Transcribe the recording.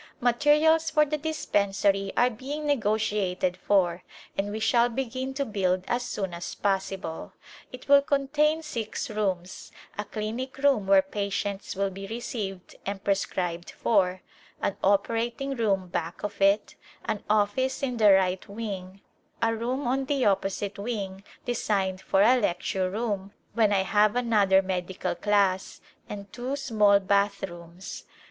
Materials for the dispensary are being negotiated for, and we shall begin to build as soon as possible. It will contain six rooms — a clinic room where patients will be received and prescribed for, an operating room back of it, an office in the right wing, a room on the opposite wing designed for a lecture room when I have another medical class, and two small bath rooms.